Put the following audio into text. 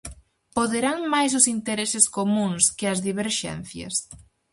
Poderán máis os intereses comúns que as diverxencias?